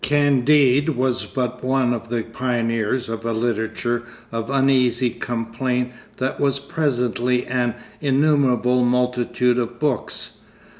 Candide was but one of the pioneers of a literature of uneasy complaint that was presently an innumerable multitude of books.